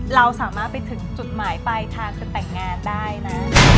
เราสามารถไปถึงจุดหมายปลายทางจะแต่งงานได้นะ